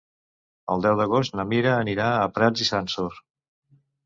El deu d'agost na Mira anirà a Prats i Sansor.